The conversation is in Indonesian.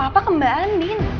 apa apa kembaan min